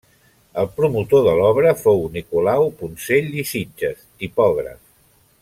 El promotor de l'obra fou Nicolau Poncell i Sitges, tipògraf.